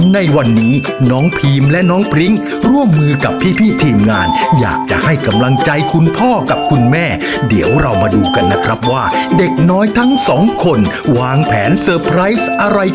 ในวันนี้น้องพีมและน้องพริ้งร่วมมือกับพี่ทีมงานอยากจะให้กำลังใจคุณพ่อกับคุณแม่เดี๋ยวเรามาดูกันนะครับว่าเด็กน้อยทั้งสองคนวางแผนเซอร์ไพรส์อะไร